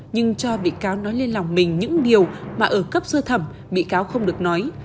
nhưng cho bị cáo nói lên lòng mình những điều mà ở cấp sơ thẩm bị cáo không được nói